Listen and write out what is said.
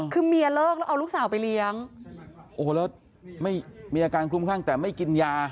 คือเมียเลิกแล้วเอาลูกสาวไปเลี้ยงโอ้โหแล้วไม่มีอาการคลุมคลั่งแต่ไม่กินยา